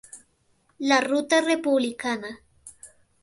La Ruta Republicana.